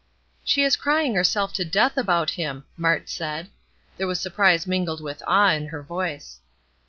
"She is crying herself to death about him!" Mart said. There was surprise mingled with awe in her voice.